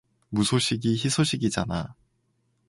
무소식이 희소식이잖아.